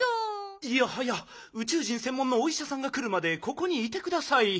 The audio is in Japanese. いやはやうちゅう人せんもんのおいしゃさんがくるまでここにいてください。